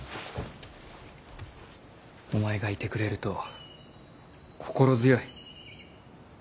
お前がいてくれると心強い。